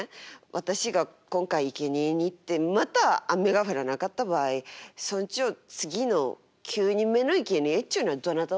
私が今回いけにえに行ってまた雨が降らなかった場合村長次の９人目のいけにえっちゅうのはどなたをお考えですの？